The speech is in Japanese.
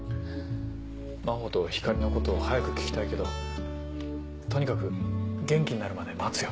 真帆と光莉のこと早く聞きたいけどとにかく元気になるまで待つよ。